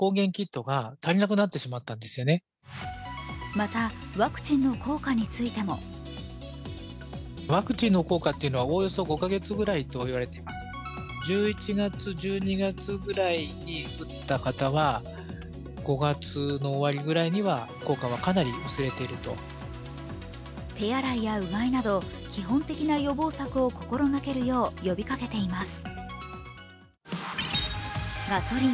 また、ワクチンの効果についても手洗いやうがいなど、基本的な予防策を心掛けるよう呼びかけています。